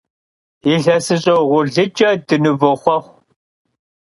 Yilhesış'e vuğurlıç'e dınıvoxhuexhu!